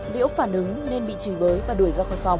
liễu phản ứng nên bị trì bới và đuổi ra khỏi phòng